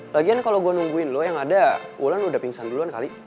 lagian kalau gue nungguin loh yang ada ulan udah pingsan duluan kali